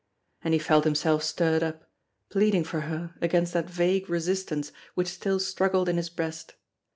And he felt himself stirred up, pleading for her against that vague resistance which still struggled in his breast.